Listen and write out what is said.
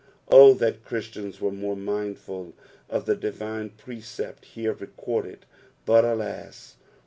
O that Christians were more mindful of the divine precept here recorded ; but, alas